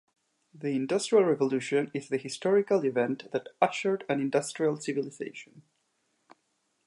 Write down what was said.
The "industrial revolution" is the historical event that ushered in industrial civilization.